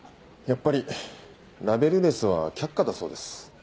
やっぱりラベルレスは却下だそうです。